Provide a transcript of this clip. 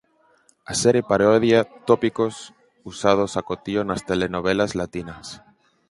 A serie parodia tópicos usados acotío nas telenovelas latinas.